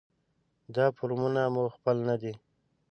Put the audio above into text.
دا فورمونه مو خپل نه دي.